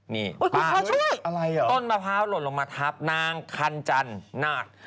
นี่ป้าต้นมะพร้าวหล่นลงมาทับนางคันจันนาค